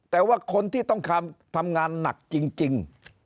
แต่ว่าคนที่ต้องทำงานหนักจริง